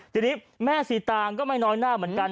ทีนี้แม่สีตางก็ไม่น้อยหน้าเหมือนกัน